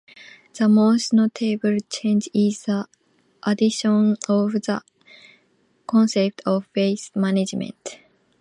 The most notable change is the addition of the concept of waste management.